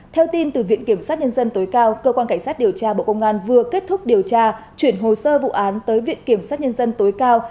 theo tin từ viện kiểm sát nhân dân tối cao cơ quan cảnh sát điều tra bộ công an vừa kết thúc điều tra chuyển hồ sơ vụ án tới viện kiểm sát nhân dân tối cao